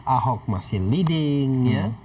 ahok masih leading ya